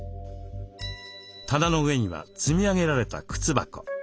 棚の上には積み上げられた靴箱。